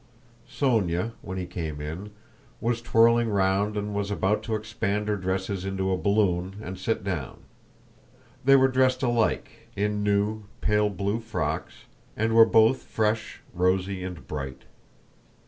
Sónya, when he came in, was twirling round and was about to expand her dresses into a balloon and sit down. They were dressed alike, in new pale blue frocks, and were both fresh, rosy, and bright.